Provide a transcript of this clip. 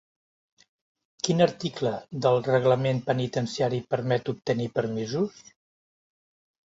Quin article del reglament penitenciari permet obtenir permisos?